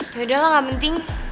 yaudahlah ga penting